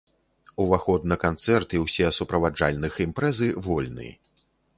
Уваход на канцэрт і ўсе суправаджальных імпрэзы вольны.